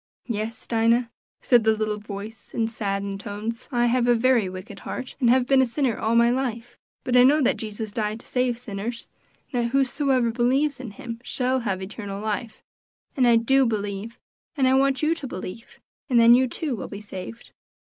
"Yes, Dinah," said the little voice in saddened tones, "I have a very wicked heart, and have been a sinner all my life; but I know that Jesus died to save sinners, and that whosoever believes in him shall have eternal life, and I do believe, and I want you to believe, and then you, too, will be saved."